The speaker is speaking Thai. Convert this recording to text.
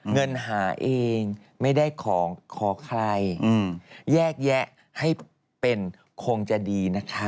เงินหาเองไม่ได้ของขอใครแยกแยะให้เป็นคงจะดีนะคะ